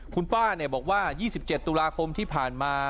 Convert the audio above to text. คุณป้าเนี่ยบอกว่ายี่สิบเจ็ดตุลาคมที่ผ่านมา